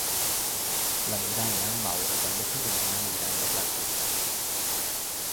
La migranya amb aura també s'anomena migranya clàssica.